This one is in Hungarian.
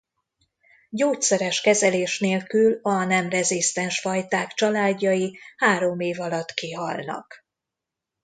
Gyógyszeres kezelés nélkül a nem rezisztens fajták családjai három év alatt kihalnak.